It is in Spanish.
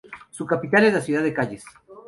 Su capital es la ciudad de Kayes.